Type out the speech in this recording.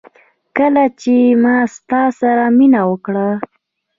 کله چي ما ستا سره مينه وکړه